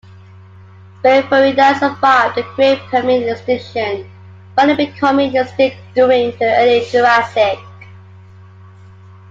Spiriferida survived the great Permian extinction, finally becoming extinct during the Early Jurassic.